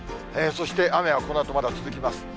そして、雨はこのあとまだ続きます。